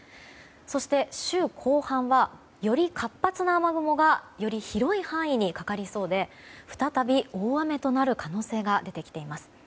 そして週後半はより活発な雨雲がより広い範囲にかかりそうで再び、大雨となる可能性が出てきています。